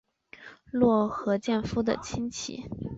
落合建夫的亲戚。